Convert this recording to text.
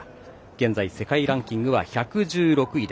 現在、世界ランキング１１６位。